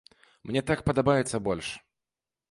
Мне так падабаецца больш.